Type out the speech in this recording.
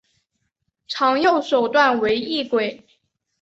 常用手段为异轨。